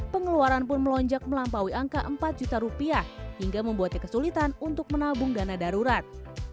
pengeluaran pun melonjak melampaui angka empat juta rupiah hingga membuatnya kesulitan untuk menabung dana darurat